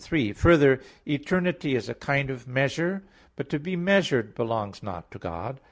3: Further, eternity is a kind of measure. But to be measured belongs not to God.